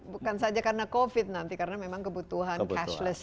bukan saja karena covid nanti karena memang kebutuhan cashless